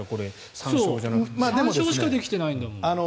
３勝しかできてないんだもん。